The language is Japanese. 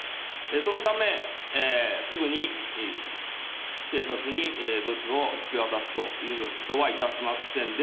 そのため、すぐに警察にぶつを引き渡すということはいたしませんで、